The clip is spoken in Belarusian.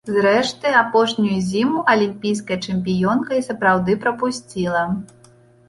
Зрэшты, апошнюю зіму алімпійская чэмпіёнка і сапраўды прапусціла.